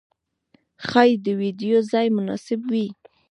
ښايې د ويدېدو ځای مناسب وي.